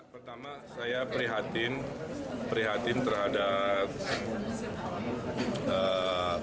pertama saya prihatin terhadap